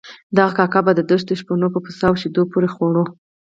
دغه کاک به د دښتو شپنو په پوڅه او شيدو پورې خوړ.